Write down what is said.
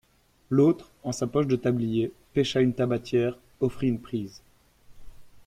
L'autre, en sa poche de tablier, pêcha une tabatière, offrit une prise.